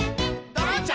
「ドロンチャ！